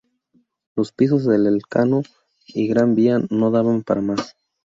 Los pisos de Elcano y Gran Vía no daban para más.